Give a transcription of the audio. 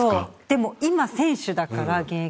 でも今選手だから現役の。